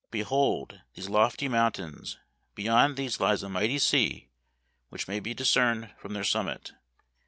Behold these lofty mountains ; beyond these lies a mighty sea which may be discerned from their summit.